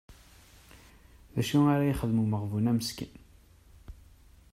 D acu ara yexdem umeɣbun-a meskin?